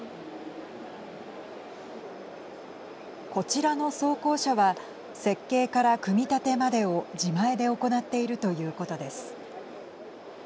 こちらの装甲車は設計から組み立てまでを自前で行っているということです。